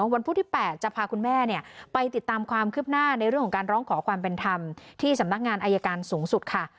วันพุธที่๘จะพาคุณแม่ไปติดตามความคืบหน้าในเรื่องของการร้องขอความเป็นธรรมที่สำนักงานอายการสูงสุดค่ะ